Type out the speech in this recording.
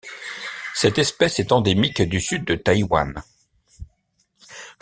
Cette espèce est endémique du Sud de Taïwan.